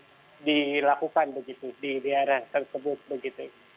itu bisa dilakukan begitu di daerah tersebut begitu